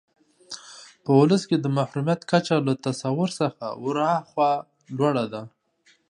په ولس کې د محرومیت کچه له تصور څخه ورهاخوا لوړه ده.